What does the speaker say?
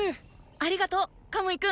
ありがとうカムイくん。